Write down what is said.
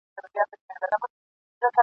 چي څه تیار وي هغه د یار وي ..